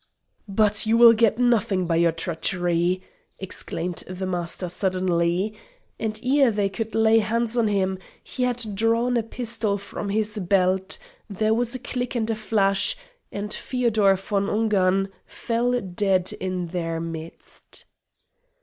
"But you will get nothing by your treachery!" exclaimed the Master suddenly. And ere they could lay hands on him he had drawn a pistol from his belt; there was a click and a flash, and Feodor von Ungern fell dead in their midst.